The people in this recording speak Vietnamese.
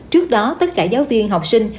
trước đó tất cả giáo viên học sinh